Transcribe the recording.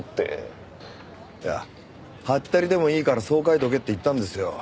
いやハッタリでもいいからそう書いとけって言ったんですよ。